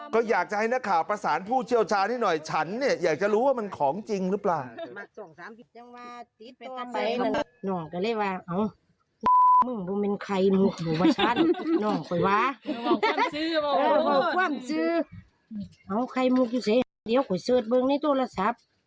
ก็อยากจะให้นักข่าวประสานผู้เชี่ยวชาญให้หน่อยฉันเนี่ยอยากจะรู้ว่ามันของจริงหรือเปล่า